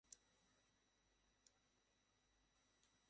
তিনি দরবারে প্রবেশ করলেন।